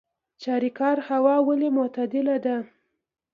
چاریکار هوا ولې معتدله ده؟